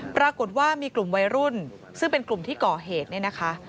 ปรากฏว่ามีกลุ่มวัยรุ่นซึ่งเป็นกลุ่มที่ก่อเหตุเนี่ยนะคะ